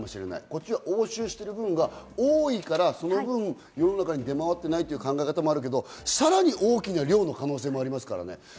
こっちは押収している部分が多いから世の中に出回っていないという考え方もあるけど、さらに大きな量の可能性もありますからね。